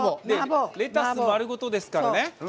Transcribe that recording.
レタス丸ごとですからね。